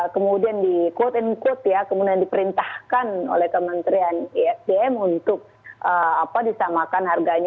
kemudian di quote unquote ya kemudian diperintahkan oleh kementerian isdm untuk disamakan harganya